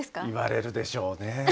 言われるでしょうね。